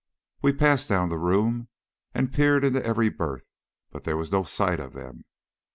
We passed down the room and peered into every berth, but there was no sign of them.